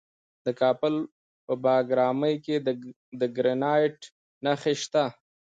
د کابل په بګرامي کې د ګرانیټ نښې شته.